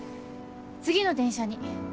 次の電車に。